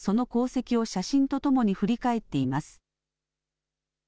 その功績を写真とともに振り返っています。